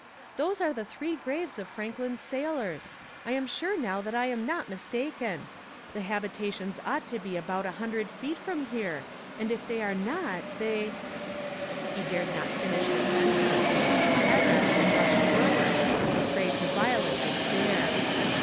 "Those are the three graves of Franklin's sailors. I am sure now that I am not mistaken; the habitations ought to be about a hundred feet from here, and if they are not, they " He dared not finish his sentence; Hatteras had rushed forward, a prey to violent despair.